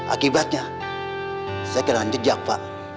akibatnya saya kena jejak pak